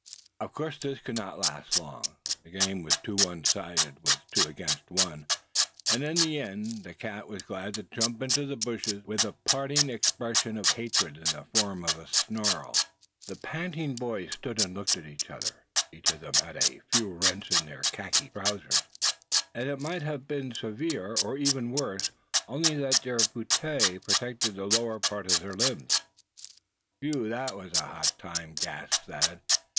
Of course this could not last long. The game was too one sided, with two against one; and in the end the cat was glad to jump into the bushes, with a parting expression of hatred in the form of a snarl. The panting boys stood and looked at each other. Each of them had a few rents in their khaki trousers; and might have been served even worse only that their puttees protected the lower part of their limbs. "Whew! that was a hot time!" gasped Thad.